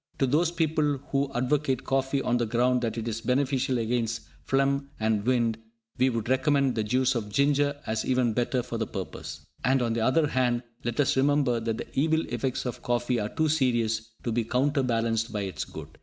To those people who advocate coffee on the ground that it is beneficial against "phlegm" and "wind", we would recommend the juice of ginger as even better for the purpose. And, on the other hand, let us remember that the evil effects of coffee are too serious to be counter balanced by its good.